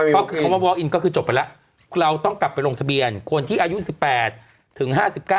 ก็คือคำว่าวอลอินก็คือจบไปแล้วเราต้องกลับไปลงทะเบียนคนที่อายุ๑๘ถึง๕๙